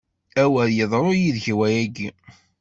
A wer d-iḍru yid-k wayagi!